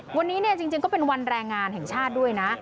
วันนี้เนี่ยจริงก็เป็นวันแรงงานแห่งชาติด้วยนะ